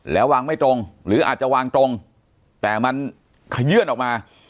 แล้ววางไม่ตรงหรืออาจจะวางตรงแต่มันขยื่นออกมา